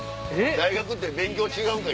大学って勉強違うんか？